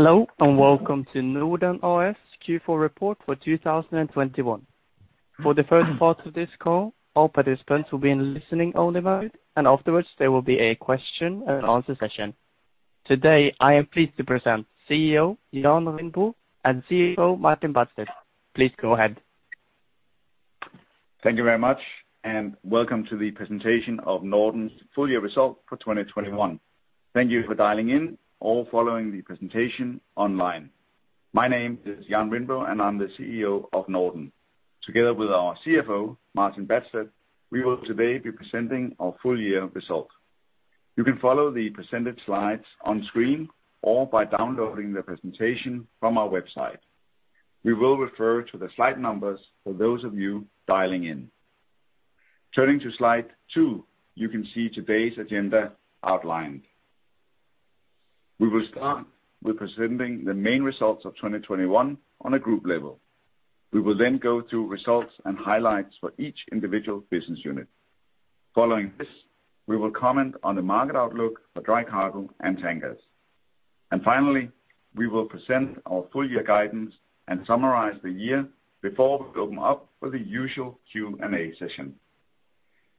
Hello, and welcome to NORDEN A/S Q4 report for 2021. For the first part of this call, all participants will be in listening only mode, and afterwards there will be a question and answer session. Today, I am pleased to present CEO Jan Rindbo and CFO Martin Badsted. Please go ahead. Thank you very much, and welcome to the presentation of NORDEN's full year results for 2021. Thank you for dialing in or following the presentation online. My name is Jan Rindbo, and I'm the CEO of NORDEN. Together with our CFO, Martin Badsted, we will today be presenting our full year results. You can follow the presented slides on screen or by downloading the presentation from our website. We will refer to the slide numbers for those of you dialing in. Turning to slide two, you can see today's agenda outlined. We will start with presenting the main results of 2021 on a group level. We will then go through results and highlights for each individual business unit. Following this, we will comment on the market outlook for dry cargo and tankers. Finally, we will present our full year guidance and summarize the year before we open up for the usual Q&A session.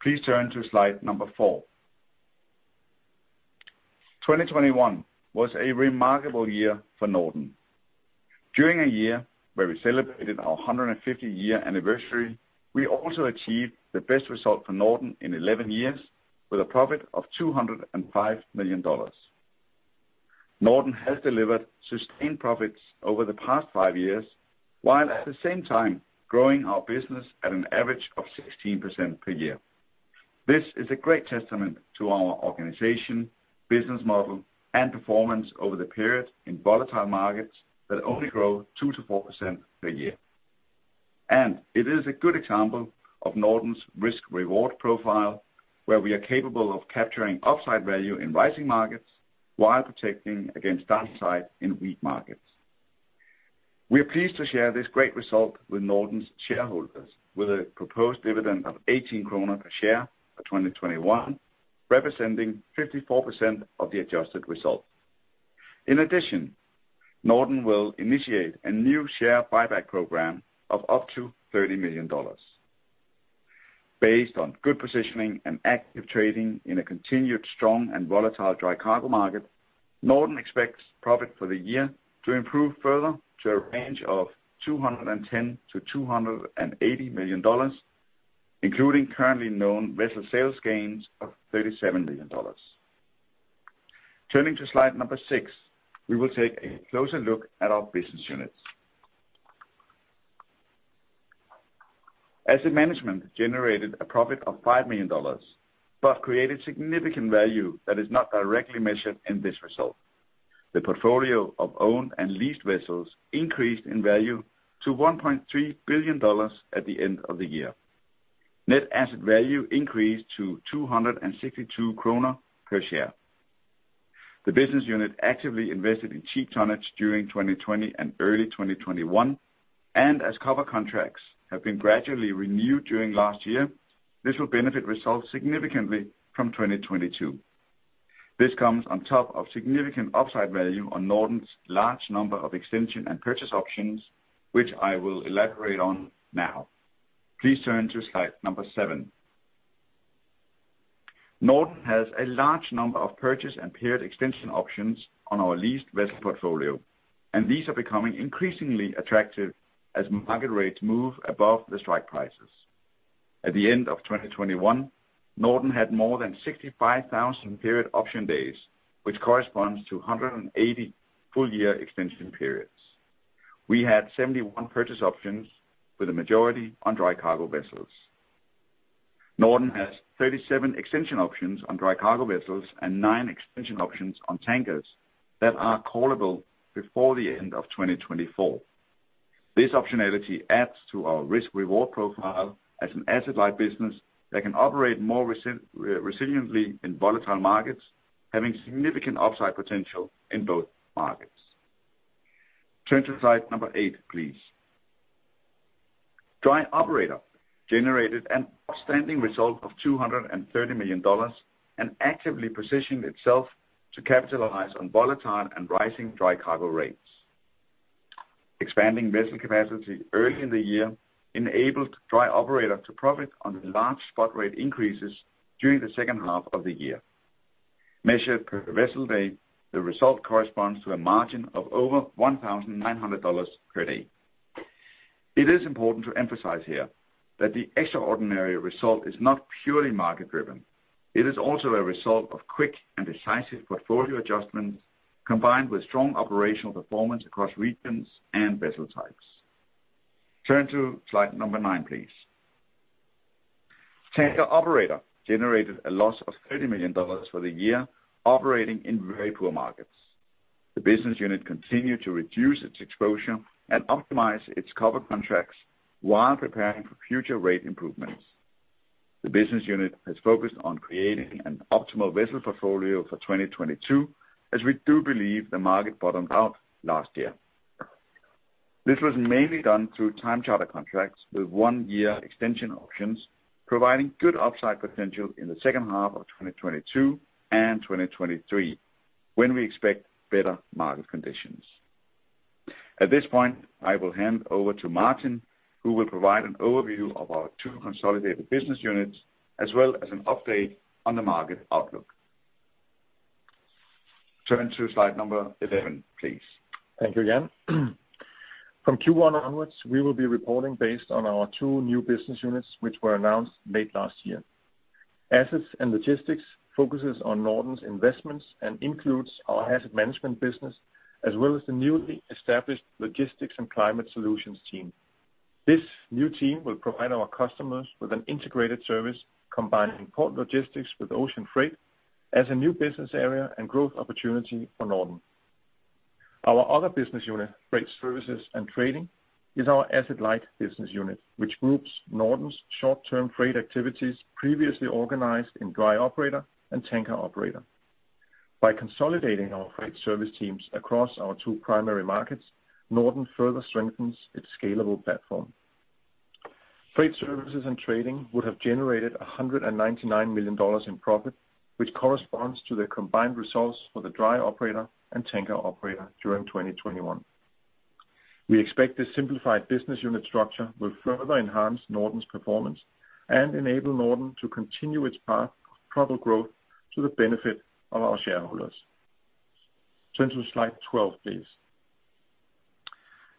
Please turn to slide four. 2021 was a remarkable year for NORDEN. During a year where we celebrated our 150-year anniversary, we also achieved the best result for NORDEN in 11 years, with a profit of $205 million. NORDEN has delivered sustained profits over the past five years, while at the same time growing our business at an average of 16% per year. This is a great testament to our organization, business model, and performance over the period in volatile markets that only grow 2%-4% per year. It is a good example of NORDEN's risk reward profile, where we are capable of capturing upside value in rising markets while protecting against downside in weak markets. We are pleased to share this great result with NORDEN's shareholders with a proposed dividend of 18 kroner per share for 2021, representing 54% of the adjusted result. In addition, NORDEN will initiate a new share buyback program of up to $30 million. Based on good positioning and active trading in a continued strong and volatile dry cargo market, NORDEN expects profit for the year to improve further to a range of $210 million-$280 million, including currently known vessel sales gains of $37 million. Turning to slide number six, we will take a closer look at our business units. Asset Management generated a profit of $5 million, but created significant value that is not directly measured in this result. The portfolio of owned and leased vessels increased in value to $1.3 billion at the end of the year. Net asset value increased to 262 kroner per share. The business unit actively invested in cheap tonnage during 2020 and early 2021, and as cover contracts have been gradually renewed during last year, this will benefit results significantly from 2022. This comes on top of significant upside value on NORDEN's large number of extension and purchase options, which I will elaborate on now. Please turn to slide seven. NORDEN has a large number of purchase and period extension options on our leased vessel portfolio, and these are becoming increasingly attractive as market rates move above the strike prices. At the end of 2021, NORDEN had more than 65,000 period option days, which corresponds to 180 full-year extension periods. We had 71 purchase options with a majority on dry cargo vessels. NORDEN has 37 extension options on dry cargo vessels and nine extension options on tankers that are callable before the end of 2024. This optionality adds to our risk-reward profile as an asset-light business that can operate more resiliently in volatile markets, having significant upside potential in both markets. Turn to slide eight, please. Dry Operator generated an outstanding result of $230 million and actively positioned itself to capitalize on volatile and rising dry cargo rates. Expanding vessel capacity early in the year enabled Dry Operator to profit on the large spot rate increases during the second half of the year. Measured per vessel day, the result corresponds to a margin of over $1,900 per day. It is important to emphasize here that the extraordinary result is not purely market-driven. It is also a result of quick and decisive portfolio adjustments combined with strong operational performance across regions and vessel types. Turn to slide number nine, please. Tanker Operator generated a loss of $30 million for the year operating in very poor markets. The business unit continued to reduce its exposure and optimize its cover contracts while preparing for future rate improvements. The business unit has focused on creating an optimal vessel portfolio for 2022, as we do believe the market bottomed out last year. This was mainly done through time charter contracts with one-year extension options, providing good upside potential in the second half of 2022 and 2023, when we expect better market conditions. At this point, I will hand over to Martin, who will provide an overview of our two consolidated business units, as well as an update on the market outlook. Turn to slide number 11, please. Thank you again. From Q1 onwards, we will be reporting based on our two new business units which were announced late last year. Assets & Logistics focuses on NORDEN's investments and includes our Asset Management business, as well as the newly established Logistics and Climate Solutions team. This new team will provide our customers with an integrated service, combining port logistics with ocean freight as a new business area and growth opportunity for NORDEN. Our other business unit, Freight Services & Trading, is our asset-light business unit, which groups NORDEN's short-term freight activities previously organized in Dry Operator and Tanker Operator. By consolidating our freight service teams across our two primary markets, NORDEN further strengthens its scalable platform. Freight Services & Trading would have generated $199 million in profit, which corresponds to the combined results for the Dry Operator and Tanker Operator during 2021. We expect this simplified business unit structure will further enhance NORDEN's performance and enable NORDEN to continue its path of profitable growth to the benefit of our shareholders. Turn to slide 12, please.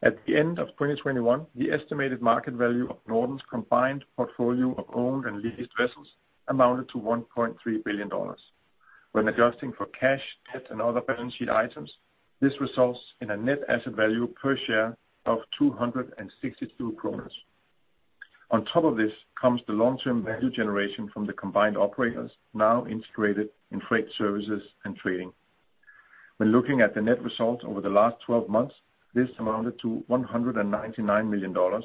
At the end of 2021, the estimated market value of NORDEN's combined portfolio of owned and leased vessels amounted to $1.3 billion. When adjusting for cash, debt, and other balance sheet items, this results in a net asset value per share of 262 kroner. On top of this comes the long-term value generation from the combined operators, now integrated in Freight Services and Trading. When looking at the net results over the last 12 months, this amounted to $199 million,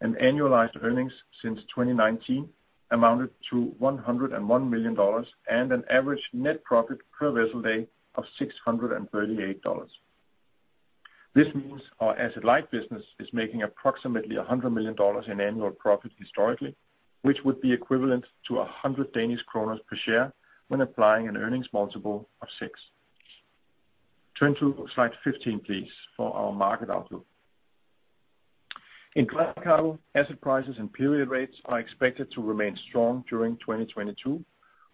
and annualized earnings since 2019 amounted to $101 million, and an average net profit per vessel day of $638. This means our asset-light business is making approximately $100 million in annual profit historically, which would be equivalent to 100 Danish kroner per share when applying an earnings multiple of six. Turn to slide 15, please, for our market outlook. In dry cargo, asset prices and period rates are expected to remain strong during 2022,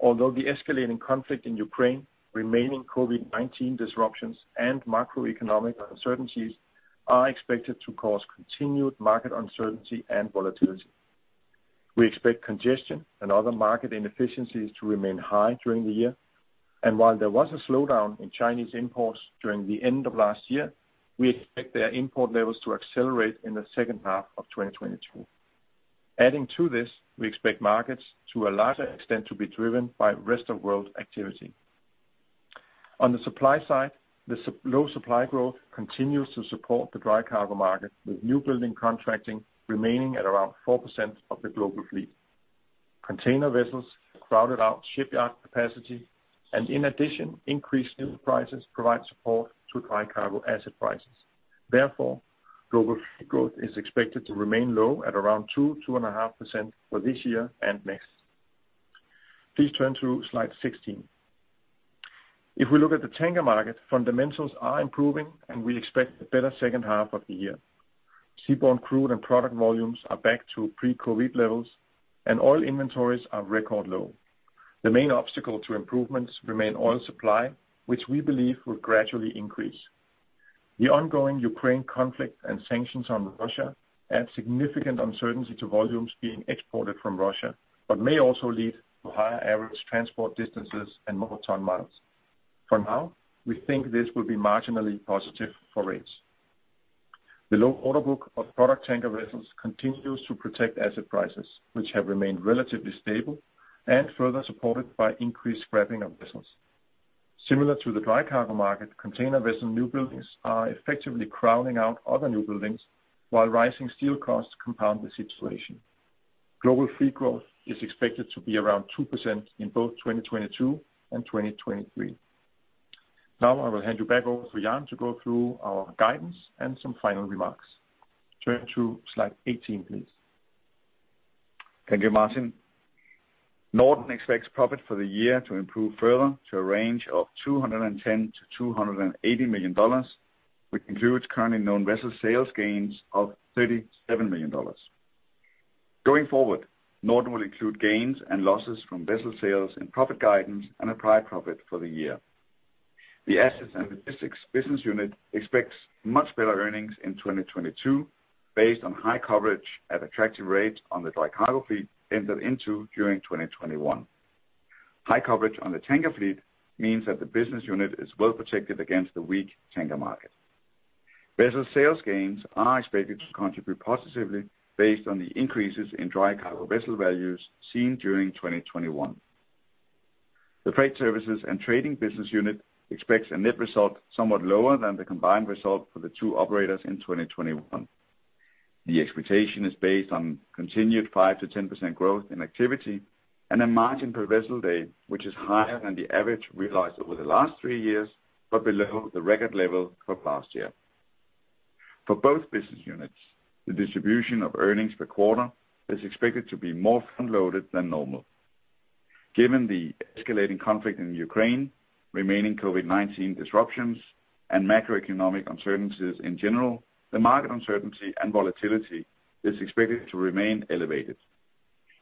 although the escalating conflict in Ukraine, remaining COVID-19 disruptions, and macroeconomic uncertainties are expected to cause continued market uncertainty and volatility. We expect congestion and other market inefficiencies to remain high during the year, and while there was a slowdown in Chinese imports during the end of last year, we expect their import levels to accelerate in the second half of 2022. Adding to this, we expect markets to a larger extent to be driven by rest-of-world activity. On the supply side, the slow supply growth continues to support the dry cargo market, with new building contracting remaining at around 4% of the global fleet. Container vessels crowded out shipyard capacity and in addition, increased new prices provide support to dry cargo asset prices. Therefore, global fleet growth is expected to remain low at around 2%-2.5% for this year and next. Please turn to slide 16. If we look at the tanker market, fundamentals are improving, and we expect a better second half of the year. Seaborne crude and product volumes are back to pre-COVID levels, and oil inventories are record low. The main obstacle to improvements remain oil supply, which we believe will gradually increase. The ongoing Ukraine conflict and sanctions on Russia add significant uncertainty to volumes being exported from Russia, but may also lead to higher average transport distances and more ton-miles. For now, we think this will be marginally positive for rates. The low order book of product tanker vessels continues to protect asset prices, which have remained relatively stable and further supported by increased scrapping of vessels. Similar to the dry cargo market, container vessel newbuildings are effectively crowding out other newbuildings, while rising steel costs compound the situation. Global fleet growth is expected to be around 2% in both 2022 and 2023. Now I will hand you back over to Jan to go through our guidance and some final remarks. Turn to slide 18, please. Thank you, Martin. NORDEN expects profit for the year to improve further to a range of $210 million-$280 million, which includes currently known vessel sales gains of $37 million. Going forward, NORDEN will include gains and losses from vessel sales in profit guidance and actual profit for the year. The Assets & Logistics business unit expects much better earnings in 2022 based on high coverage at attractive rates on the dry cargo fleet entered into during 2021. High coverage on the tanker fleet means that the business unit is well protected against the weak tanker market. Vessel sales gains are expected to contribute positively based on the increases in dry cargo vessel values seen during 2021. The Freight Services & Trading business unit expects a net result somewhat lower than the combined result for the two operators in 2021. The expectation is based on continued 5%-10% growth in activity and a margin per vessel day, which is higher than the average realized over the last three years, but below the record level for last year. For both business units, the distribution of earnings per quarter is expected to be more front-loaded than normal. Given the escalating conflict in Ukraine, remaining COVID-19 disruptions, and macroeconomic uncertainties in general, the market uncertainty and volatility is expected to remain elevated.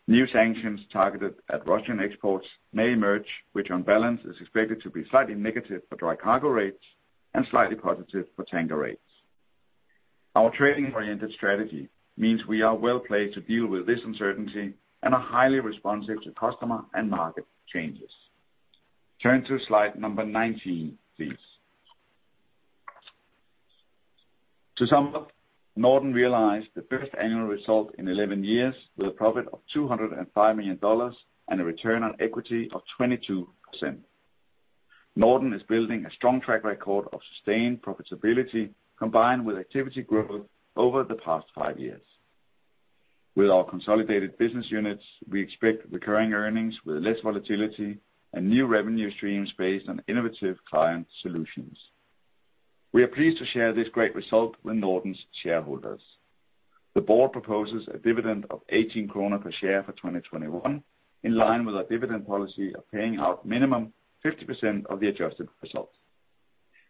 New sanctions targeted at Russian exports may emerge, which on balance is expected to be slightly negative for dry cargo rates and slightly positive for tanker rates. Our trading-oriented strategy means we are well-placed to deal with this uncertainty and are highly responsive to customer and market changes. Turn to slide number 19, please. To sum up, NORDEN realized the first annual result in 11 years with a profit of $205 million and a return on equity of 22%. NORDEN is building a strong track record of sustained profitability combined with activity growth over the past five years. With our consolidated business units, we expect recurring earnings with less volatility and new revenue streams based on innovative client solutions. We are pleased to share this great result with NORDEN's shareholders. The board proposes a dividend of 18 kroner per share for 2021, in line with our dividend policy of paying out minimum 50% of the adjusted results.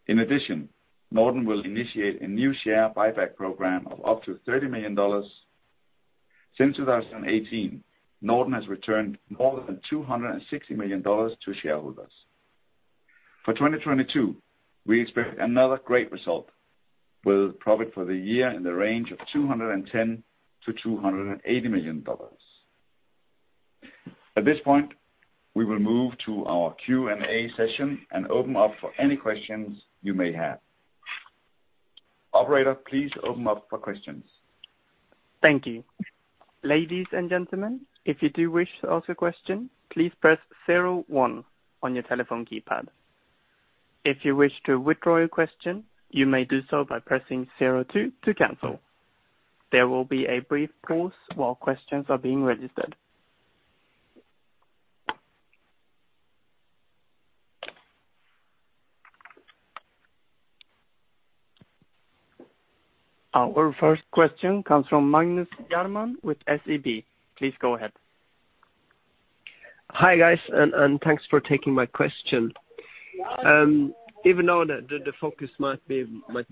In addition, NORDEN will initiate a new share buyback program of up to $30 million. Since 2018, NORDEN has returned more than $260 million to shareholders. For 2022, we expect another great result, with profit for the year in the range of $210 million-$280 million. At this point, we will move to our Q&A session and open up for any questions you may have. Operator, please open up for questions. Thank you. Ladies and gentlemen, if you do wish to ask a question, please press zero one on your telephone keypad. If you wish to withdraw your question, you may do so by pressing zero two to cancel. There will be a brief pause while questions are being registered. Our first question comes from Magnus Järman with SEB. Please go ahead. Hi, guys, and thanks for taking my question. Even though the focus might be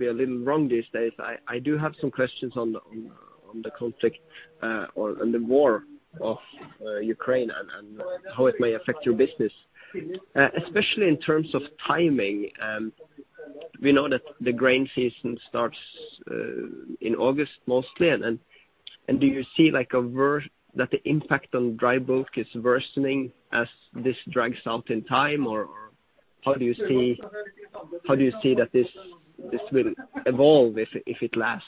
a little wrong these days, I do have some questions on the conflict or on the war of Ukraine and how it may affect your business, especially in terms of timing. We know that the grain season starts in August mostly, and then do you see, like, that the impact on dry bulk is worsening as this drags out in time? Or how do you see that this will evolve if it lasts?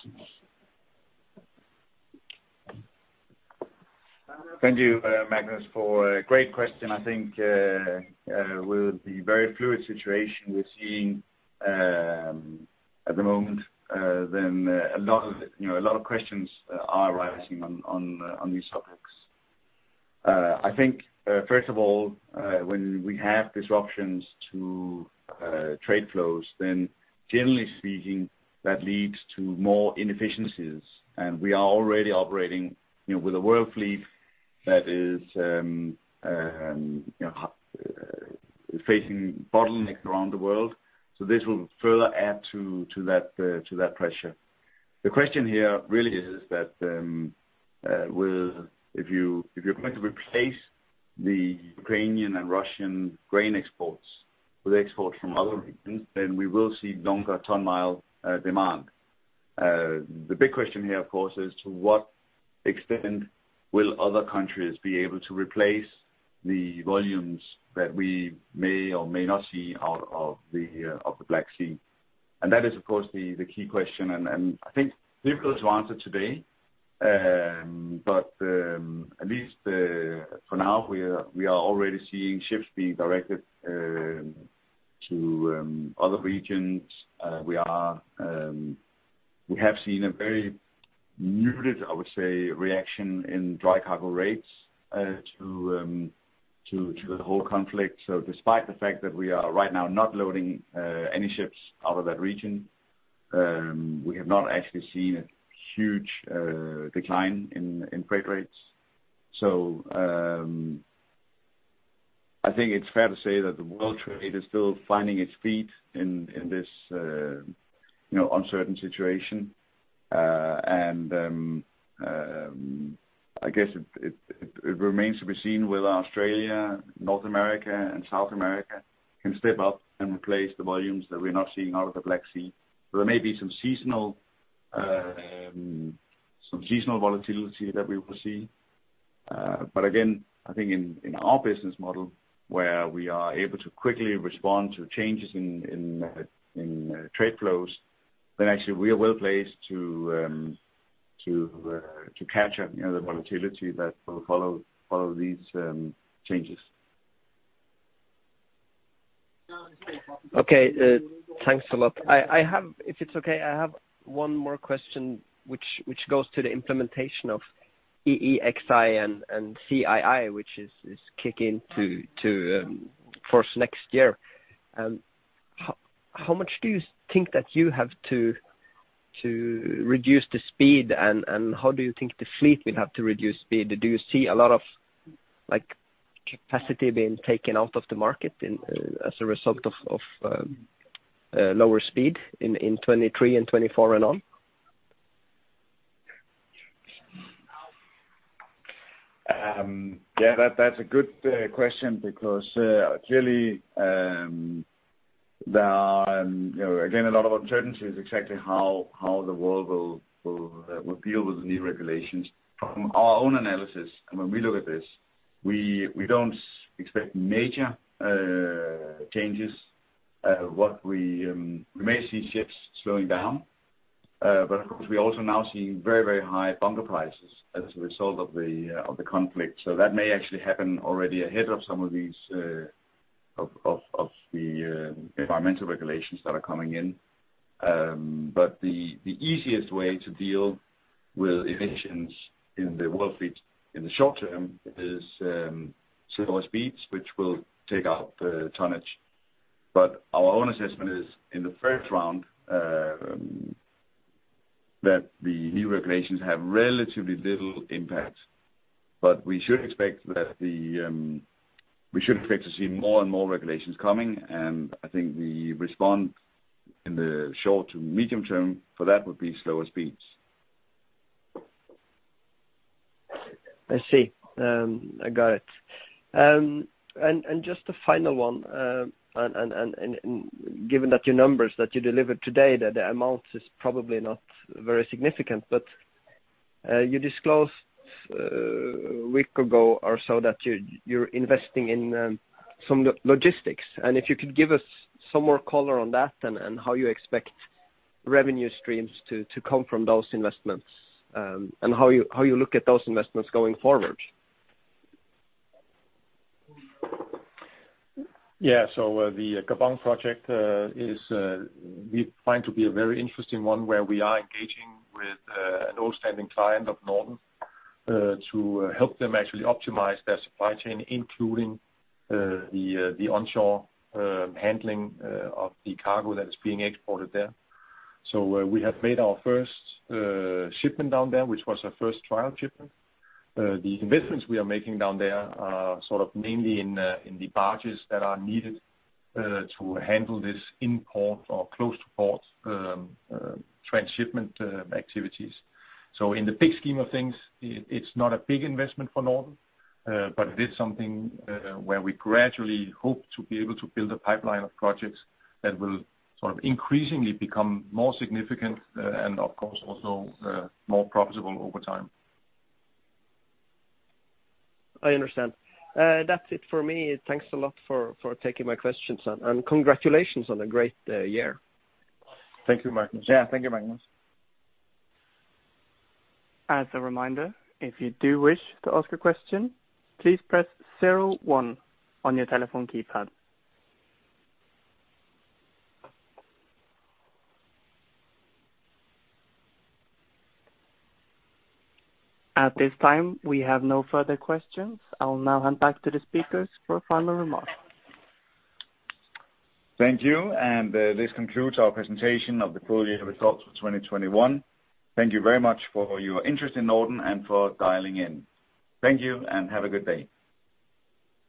Thank you, Magnus, for a great question. I think with the very fluid situation we're seeing at the moment, then a lot of, you know, a lot of questions are arising on these topics. I think first of all, when we have disruptions to trade flows, then generally speaking, that leads to more inefficiencies. We are already operating, you know, with a world fleet that is, you know, facing bottlenecks around the world. This will further add to that pressure. The question here really is that if you're going to replace the Ukrainian and Russian grain exports with exports from other regions, then we will see longer ton-mile demand. The big question here, of course, is to what extent will other countries be able to replace the volumes that we may or may not see out of the Black Sea. That is, of course, the key question, and I think difficult to answer today. At least for now, we are already seeing ships being directed to other regions. We have seen a very muted, I would say, reaction in dry cargo rates to the whole conflict. Despite the fact that we are right now not loading any ships out of that region, we have not actually seen a huge decline in freight rates. I think it's fair to say that the world trade is still finding its feet in this, you know, uncertain situation. I guess it remains to be seen whether Australia, North America, and South America can step up and replace the volumes that we're not seeing out of the Black Sea. There may be some seasonal volatility that we will see. I think in our business model, where we are able to quickly respond to changes in trade flows, then actually we are well-placed to capture, you know, the volatility that will follow these changes. Okay. Thanks a lot. If it's okay, I have one more question which goes to the implementation of EEXI and CII, which is come into force next year. How much do you think that you have to reduce the speed and how do you think the fleet will have to reduce speed? Do you see a lot of, like, capacity being taken out of the market as a result of lower speed in 2023 and 2024 and on? That's a good question because clearly there are, you know, again a lot of uncertainties exactly how the world will deal with the new regulations. From our own analysis and when we look at this, we don't expect major changes. What we may see ships slowing down. Of course, we also now see very high bunker prices as a result of the conflict. That may actually happen already ahead of some of these environmental regulations that are coming in. The easiest way to deal with emissions in the world fleet in the short term is slower speeds, which will take out the tonnage. Our own assessment is in the first round that the new regulations have relatively little impact. We should expect to see more and more regulations coming, and I think the response in the short to medium term for that would be slower speeds. I see. I got it. Just a final one. Given that your numbers that you delivered today, that the amount is probably not very significant. You disclosed a week ago or so that you're investing in some logistics, and if you could give us some more color on that and how you expect revenue streams to come from those investments, and how you look at those investments going forward. Yeah. The Gabon project is we find to be a very interesting one where we are engaging with an old standing client of NORDEN to help them actually optimize their supply chain, including the onshore handling of the cargo that is being exported there. We have made our first shipment down there, which was our first trial shipment. The investments we are making down there are sort of mainly in the barges that are needed to handle this import or close to port transshipment activities. In the big scheme of things, it's not a big investment for Norden, but it is something, where we gradually hope to be able to build a pipeline of projects that will sort of increasingly become more significant and of course also, more profitable over time. I understand. That's it for me. Thanks a lot for taking my questions, and congratulations on a great year. Thank you, Magnus. Yeah. Thank you, Magnus. As a reminder, if you do wish to ask a question, please press zero one on your telephone keypad. At this time, we have no further questions. I'll now hand back to the speakers for final remarks. Thank you. This concludes our presentation of the full year results for 2021. Thank you very much for your interest in Norden and for dialing in. Thank you and have a good day.